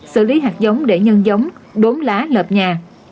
xử lý hạt giống để nhân giống đốn lá lợp nhà